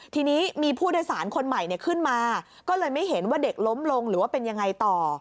ทีนี้มีผู้โดยสารคนใหม่ขึ้นมาก็เลยไม่เห็นว่าเด็กล้มลงหรือว่าเป็นยังไงต่อ